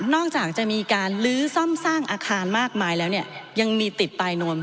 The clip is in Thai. จากจะมีการลื้อซ่อมสร้างอาคารมากมายแล้วเนี่ยยังมีติดปลายนวม